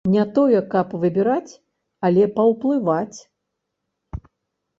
Не тое, каб выбіраць, але паўплываць.